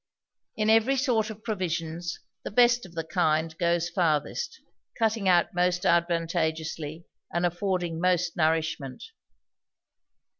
In every sort of provisions, the best of the kind goes farthest; cutting out most advantageously, and affording most nourishment.